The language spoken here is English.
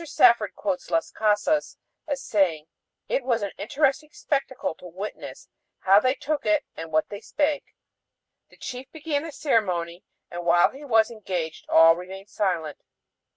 Safford quotes Las Casas as saying: "It was an interesting spectacle to witness how they took it and what they spake. The chief began the ceremony and while he was engaged all remained silent